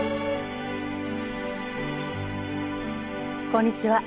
こんにちは。